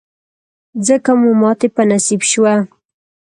ځکه مو ماتې په نصیب شوه.